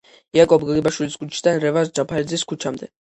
იაკობ გოგებაშვილის ქუჩიდან რევაზ ჯაფარიძის ქუჩამდე.